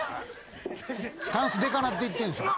タンスでかなっていってるんですよ。